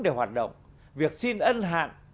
để hoạt động việc xin ân hạn